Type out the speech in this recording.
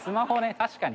確かに。